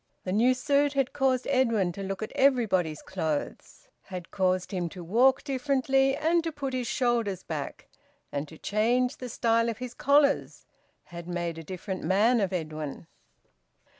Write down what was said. The new suit had caused Edwin to look at everybody's clothes, had caused him to walk differently, and to put his shoulders back, and to change the style of his collars; had made a different man of Edwin.